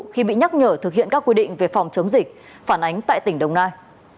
khi bị nhắc nhở thực hiện các quy định về phòng chống dịch phản ánh tại tỉnh đồng nai